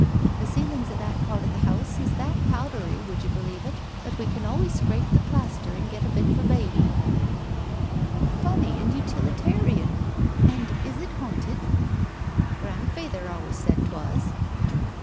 The ceilings of that part of the house is that powdery, would you believe it, that we can always scrape the plaster and get a bit for baby." " How funny and utilitarian ! And is it haunted ?" "Grandfeyther always said 'twas."